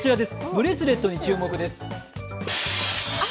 ブレスレットに注目です。